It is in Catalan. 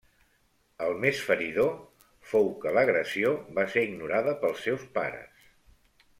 El més feridor fou que l'agressió va ser ignorada pels seus pares.